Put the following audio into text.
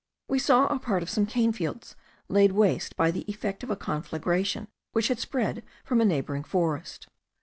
We saw a part of some cane fields laid waste by the effect of a conflagration which had spread from a neighbouring forest.